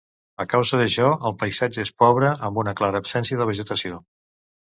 A causa d'això, el paisatge és pobre, amb una clara absència de vegetació.